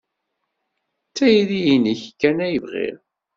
D tayri-nnek kan ay bɣiɣ.